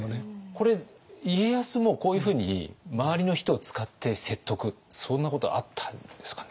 これ家康もこういうふうに周りの人を使って説得そんなことあったんですかね？